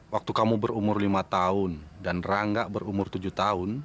waktu kamu berumur lima tahun dan rangga berumur tujuh tahun